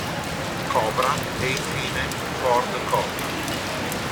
Cobra" e infine "Ford Cobra".